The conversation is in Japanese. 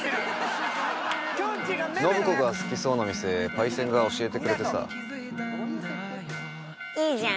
信子が好きそうな店パイセンが教えてくれてさいいじゃん